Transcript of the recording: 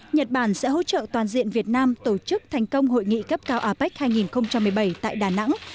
nhật bản sẽ hỗ trợ toàn diện việt nam tổ chức thành công hội nghị cấp cao apec hai nghìn một mươi bảy tại đà nẵng